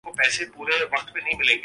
البتہ اسے کم سے کم کرنے کی کوششیں